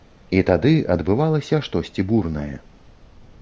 І тады адбывалася штосьці бурнае.